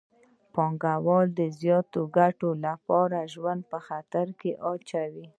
پانګوال د زیاتې ګټې لپاره ژوند په خطر کې اچوي